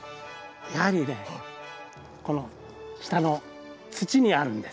やはりねこの下の土にあるんです。